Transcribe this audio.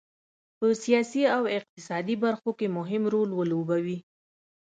په سیاسي او اقتصادي برخو کې مهم رول ولوبوي.